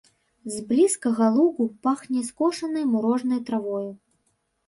З блізкага лугу пахне скошанай мурожнай травою.